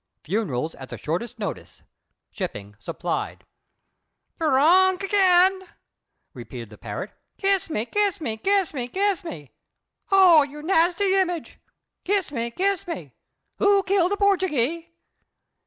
Funerals at the Shortest Notice. Shipping Supplied." "Drunk again!" repeated the parrot. "Kiss me, kiss me, kiss me, kiss me! Oh, you nasty image! Kiss me, kiss me! Who killed the Portugee?"